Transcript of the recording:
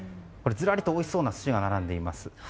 ずらりとおいしそうな寿司が並んでいます。